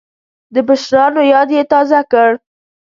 د مشرانو یاد یې تازه کړ.